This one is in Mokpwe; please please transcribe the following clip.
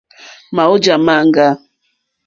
Màwújà máŋɡâ.